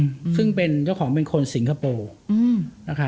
เครื่องมีเจ้าของเป็นคนสิงคโปร์